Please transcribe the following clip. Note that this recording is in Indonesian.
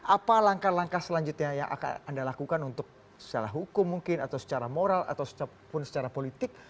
apa langkah langkah selanjutnya yang akan anda lakukan untuk secara hukum mungkin atau secara moral atau pun secara politik